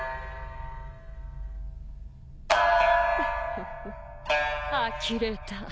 フフあきれた。